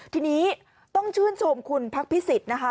ทีนี้ต้องชื่นชมคุณพักพิสิทธิ์นะคะ